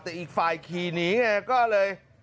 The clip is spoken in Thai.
แต่อีกไฟล์คีย์หนีนี่นี่ก็เลย